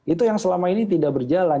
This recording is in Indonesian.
itu yang selama ini tidak berjalan